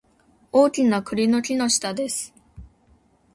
大きな栗の木の下です